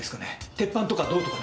鉄板とか銅とかの。